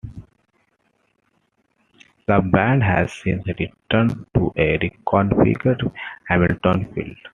The band has since returned to a reconfigured Hamilton Field.